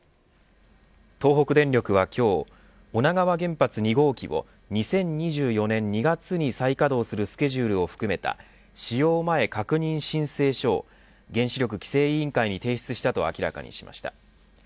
東北電力は今日女川原発２号機を２０２４年２月に再稼働するスケジュールを含めた使用前確認申請書を原子力規制委員会に提出したと明らかにしました。